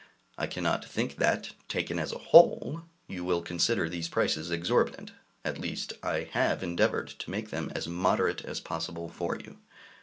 I cannot think that, taken as a whole, you will consider these prices exorbitant; at least, I have endeavored to make them as moderate as possible for you.